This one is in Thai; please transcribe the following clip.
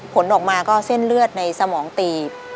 ผลออกมาก็เส้นเลือดในสมองตีบ